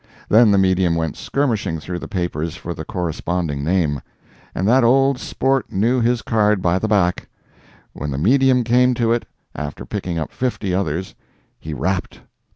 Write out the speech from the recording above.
Then the medium went skirmishing through the papers for the corresponding name. And that old sport knew his card by the back. When the medium came to it, after picking up fifty others, he rapped!